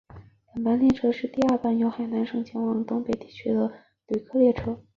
本班列车是第二班由海南省前往东北地区的旅客列车。